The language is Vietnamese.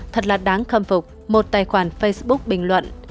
thật là đáng khâm phục một tài khoản facebook bình luận